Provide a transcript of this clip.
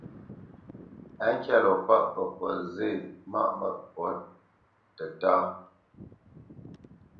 Á ŋkyá lɔ pâʼ, fəfǒt zê maʼ məfǒt tʉ́ tətá.